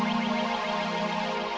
namanya kehidupannya woods kinis